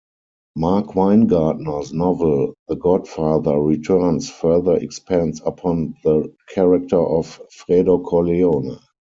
Mark Winegardner's novel "The Godfather Returns" further expands upon the character of Fredo Corleone.